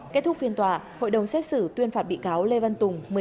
kết thúc phiên tòa hội đồng xét xử tuyên phạt bị cáo lê văn tùng